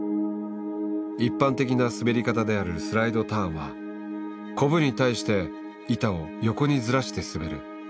一般的な滑り方であるスライドターンはコブに対して板を横にずらして滑る。